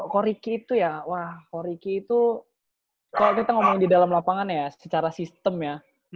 ko riki itu ya wah ko riki itu kalau kita ngomongin di dalam lapangan ya secara sistem ya